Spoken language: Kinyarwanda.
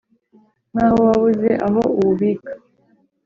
nk ' aho wabuze aho uwubika